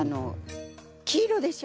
黄色でしょ。